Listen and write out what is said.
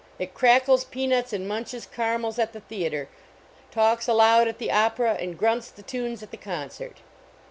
It crackles pea nuts and munches car.inu !> at the theatrr, talks aloud at the opera, and grunts the tunes at the concert.